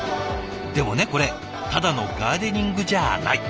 でもねこれただのガーデニングじゃあない。